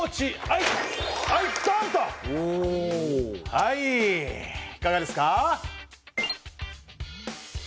はいいかがですか？